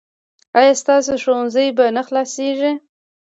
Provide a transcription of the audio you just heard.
ایا ستاسو ښوونځی به نه خلاصیږي؟